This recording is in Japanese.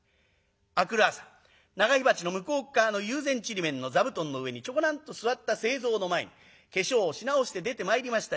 明くる朝長火鉢の向こうっ側の友禅ちりめんの座布団の上にちょこなんと座った清蔵の前に化粧をし直して出てまいりました